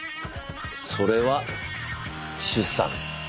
それは出産。